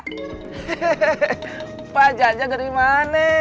hehehe pak jajak dari mana